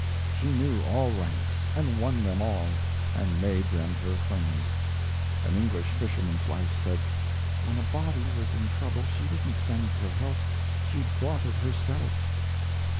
She knew all ranks, and won them all, and made them her friends. An English fisherman's wife said, "When a body was in trouble she didn't send her help, she brought it herself."